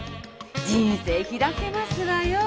人生開けますわよ。